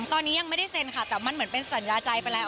ตอนนี้ยังไม่ได้เซ็นค่ะแต่มันเหมือนเป็นสัญญาใจไปแล้ว